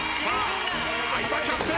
相葉キャプテン。